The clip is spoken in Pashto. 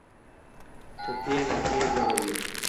ټپي نغمې ږغوي